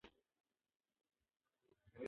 هغه تر هر بل انسان زیاته مهربانه او نرمه ده.